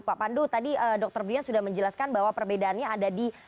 pak pandu tadi dr brian sudah menjelaskan bahwa perbedaannya ada di